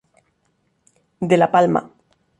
De la Palma.